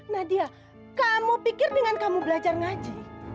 nadia kamu pikir dengan kamu belajar ngaji